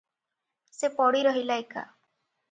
ସେ ପଡ଼ି ରହିଲା ଏକା ।